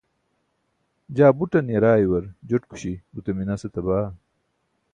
jaa buṭan yaraayuar joṭkuśi gute minas etaba